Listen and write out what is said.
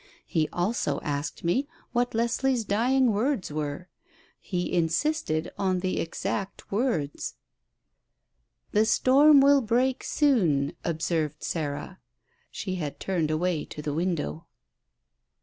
"He also asked me what Leslie's dying words were. He insisted on the exact words." "The storm will break soon," observed Sarah. She had turned away to the window.